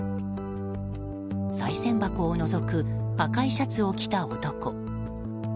さい銭箱をのぞく赤いシャツを着た男。